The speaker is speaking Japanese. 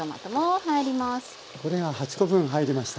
これが８コ分入りました。